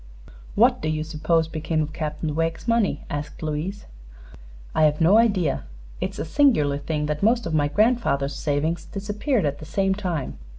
"What do you suppose became of Captain Wegg's money?" asked Louise. "I've no idea. It is a singular thing that most of my grandfather's savings disappeared at the same time.